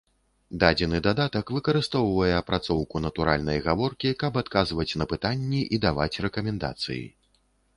Дадзены дадатак выкарыстоўвае апрацоўку натуральнай гаворкі, каб адказваць на пытанні і даваць рэкамендацыі.